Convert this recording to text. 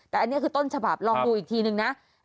แต่อันนี้คือต้นฉบับลองดูอีกทีนึงนะ